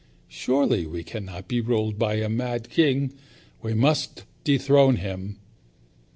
Surely we cannot be ruled by a mad king. We must dethrone him."